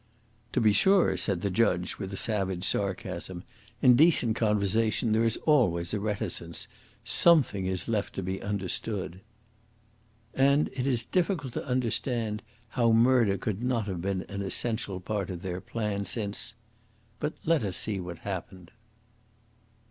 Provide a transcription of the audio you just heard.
"To be sure," said the judge, with a savage sarcasm. "In decent conversation there is always a reticence. Something is left to be understood." And it is difficult to understand how murder could not have been an essential part of their plan, since But let us see what happened.